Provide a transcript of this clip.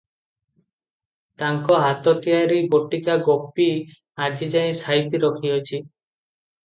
ତାଙ୍କ ହାତ ତିଆରି ବଟିକା ଗୋପୀ ଆଜିଯାଏ ସାଇତି ରଖିଅଛି ।